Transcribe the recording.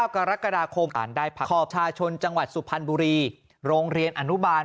กรกฎาคมขอบชาชนจังหวัดสุพรรณบุรีโรงเรียนอนุบาล